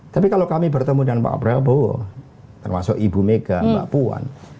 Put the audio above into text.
tapi kalau kami bertemu dengan pak prabowo termasuk ibu mega mbak puan